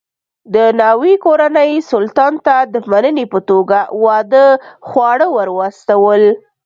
د ناوې کورنۍ سلطان ته د مننې په توګه واده خواړه ور واستول.